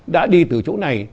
đã đi từ chỗ này